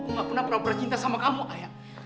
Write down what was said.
aku gak pernah pura pura cinta sama kamu ayah